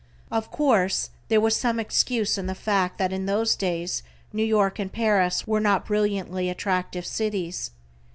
Of course there was some excuse in the fact that in those days New York and Paris were not brilliantly attractive cities.